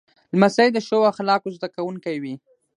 لمسی د ښو اخلاقو زده کوونکی وي.